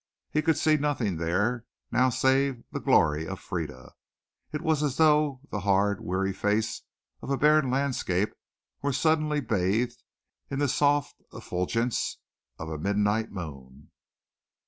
He could see nothing there now save the glory of Frieda. It was as though the hard, weary face of a barren landscape were suddenly bathed in the soft effulgence of a midnight moon.